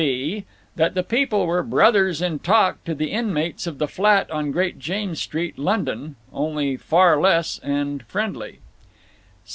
(b) That the people were brothers in talk to the inmates of the flat on Great James Street, London, only far less, and friendly.